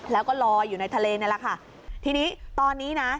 แล้วก็ลอยอยู่ในทะเลนี่แหละค่ะทีนี้ตอนนี้นะ